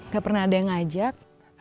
gak pernah ada yang ngajak